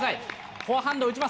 フォアハンド打ちます。